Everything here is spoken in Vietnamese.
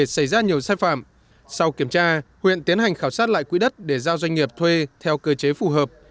sau kiểm tra huyện tiến hành khảo sát lại quỹ đất để giao doanh nghiệp thuê theo cơ chế phù hợp